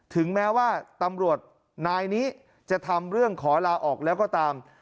ถึงแม้ว่าตำรวจนายนี้จะทำเรื่องขอลาออกแล้วก็ตาม